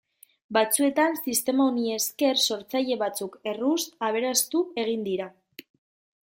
Batzuetan, sistema honi esker, sortzaile batzuk erruz aberastu egin dira.